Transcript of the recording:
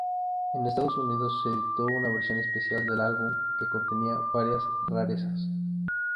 En Estados Unidos se editó una versión especial del álbum que contenía varias rarezas.